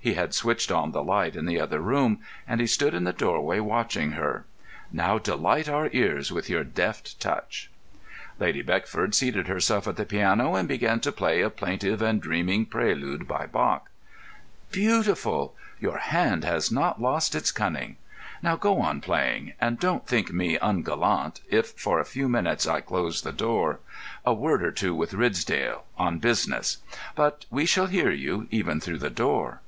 He had switched on the light in the other room, and he stood in the doorway watching her. "Now delight our ears with your deft touch." Lady Beckford seated herself at the piano and began to play a plaintive and dreamy prelude by Bach. "Beautiful! Your hand has not lost its cunning. Now go on playing—and don't think me ungallant if for a few minutes I close the door. A word or two with Ridsdale—on business. But we shall hear you, even through the door."